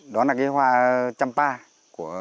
đó là cái hoa champa